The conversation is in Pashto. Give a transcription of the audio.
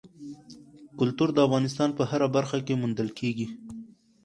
کلتور د افغانستان په هره برخه کې موندل کېږي.